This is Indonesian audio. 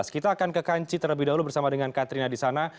kita akan ke kanci terlebih dahulu bersama dengan katrina di sana